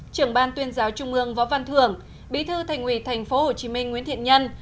trưởng ban tuyên giáo trung ương võ văn thường bí thư thành ủy tp hcm nguyễn thiện nhân